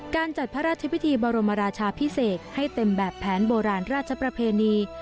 จัดพระราชพิธีบรมราชาพิเศษให้เต็มแบบแผนโบราณราชประเพณี